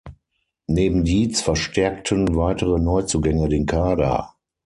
Neben Dietz verstärkten weitere Neuzugänge den Kader.